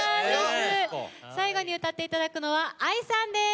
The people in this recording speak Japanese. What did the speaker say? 最後に歌っていただくのはＡＩさんです。